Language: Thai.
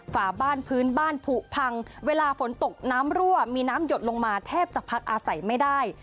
ฝาบ้านพื้นบ้านผูพังเวลาฝนตกน้ำรั่วมีน้ำหยดลงมาแทบจะพักอาศัยไม่ได้